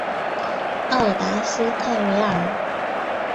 奥达斯泰韦尔。